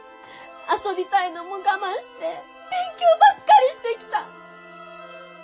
遊びたいのも我慢して勉強ばっかりしてきた。